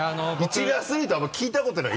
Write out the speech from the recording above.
一流アスリートはあんまり聞いたことない。